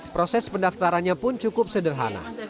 proses pendaftarannya pun cukup sederhana